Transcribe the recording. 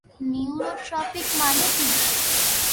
Neurotrophic মানে কি?